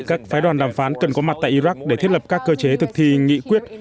các phái đoàn đàm phán cần có mặt tại iraq để thiết lập các cơ chế thực thi nghị quyết